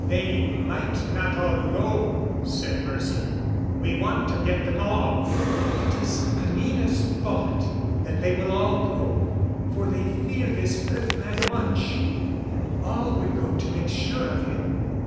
"They might not all go," said Mercer. "We want to get them all." "It is Anina's thought that they will all go, for they fear this earth man much and all would go to make sure of him."